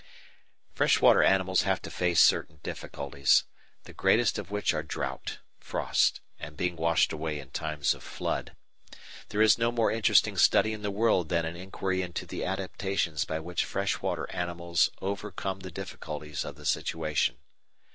Freshwater animals have to face certain difficulties, the greatest of which are drought, frost, and being washed away in times of flood. There is no more interesting study in the world than an inquiry into the adaptations by which freshwater animals overcome the difficulties of the situation.